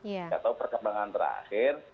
saya tahu perkembangan terakhir